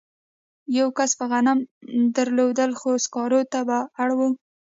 یوه کس به غنم درلودل خو سکارو ته به اړ و